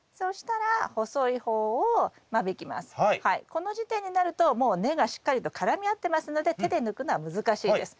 この時点になるともう根がしっかりと絡み合ってますので手で抜くのは難しいです。